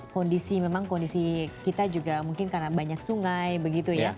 kondisi memang kondisi kita juga mungkin karena banyak sungai begitu ya